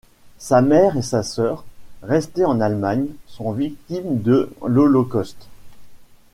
Sa mère et sa sœur, restées en Allemagne, sont victimes de l'holocauste.